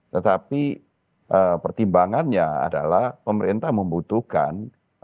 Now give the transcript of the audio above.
tetapi pertimbangannya adalah pemerintah membutuhkan